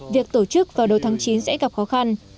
việc tổ chức vào đầu tháng chín sẽ gặp khó khăn